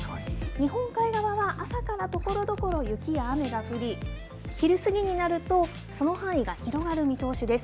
日本海側は、朝からところどころ雪や雨が降り、昼過ぎになると、その範囲が広がる見通しです。